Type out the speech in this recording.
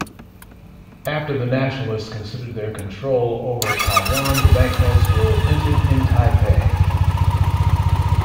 After the Nationalists consolidated their control over Taiwan the banknotes were printed in Taipei.